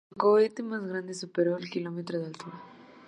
El cohete más grande superó el kilómetro de altura.